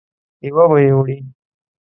یو به یې وړې.